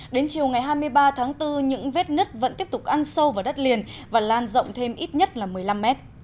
đến chiều ngày hai mươi ba tháng bốn những vết nứt vẫn tiếp tục ăn sâu vào đất liền và lan rộng thêm ít nhất là một mươi năm mét